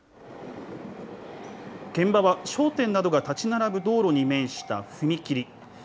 現場は商店などが建ち並ぶ道路に面した踏切。